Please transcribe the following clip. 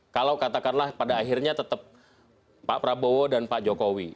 kalau katakanlah pada akhirnya tetap pak prabowo dan pak jokowi